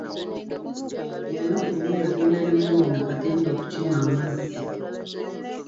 Olunaku lumu yagenda ne mwanyina Katende okukima amazzi.